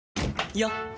よっ！